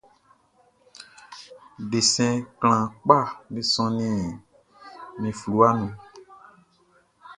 Desɛn klanhan kpaʼm be sɔnnin min fluwaʼn nun.